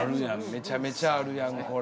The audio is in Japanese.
めちゃめちゃあるやんこれ。